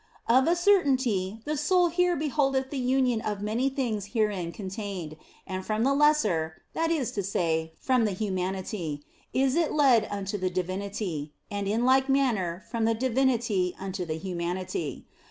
Of a certainty the soul here beholdeth the union of many things herein contained, and from the lesser that is to say, from the humanity is it led unto the divinity, and in like manner from the divinity unto the humanity.